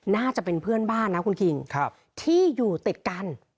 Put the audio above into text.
น่าจะเป็นเพื่อนบ้านนะคุณคิงที่อยู่ติดกัน